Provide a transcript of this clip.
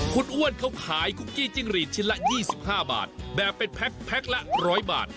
คุณอ้วนเขาขายคุกกี้จิ้งหลีดชิ้นละ๒๕บาทแบบเป็นแพ็คละ๑๐๐บาท